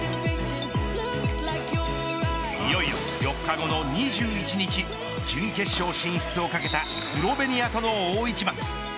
いよいよ４日後の２１日準決勝進出を懸けたスロベニアとの大一番。